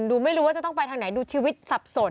ดูไม่รู้ว่าจะต้องไปทางไหนดูชีวิตสับสน